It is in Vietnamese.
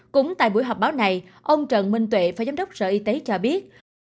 cũng tại buổi họp báo này ông trần minh tuệ phó giám đốc sở y tế cho biết